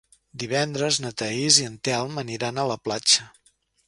Divendres na Thaís i en Telm aniran a la platja.